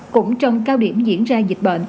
cũng trong cao điểm diễn ra dịch bệnh